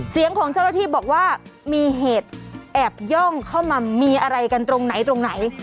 ของเจ้าหน้าที่บอกว่ามีเหตุแอบย่องเข้ามามีอะไรกันตรงไหนตรงไหน